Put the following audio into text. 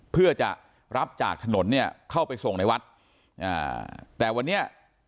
เพื่อจะรับจากถนนเนี่ยเข้าไปส่งในวัดอ่าแต่วันนี้